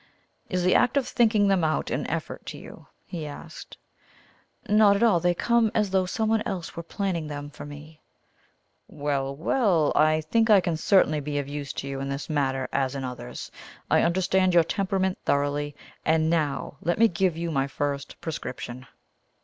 "Is the act of thinking them out an effort to you?" he asked. "Not at all. They come as though someone else were planning them for me." "Well, well! I think I can certainly be of use to you in this matter as in others. I understand your temperament thoroughly. And now let me give you my first prescription."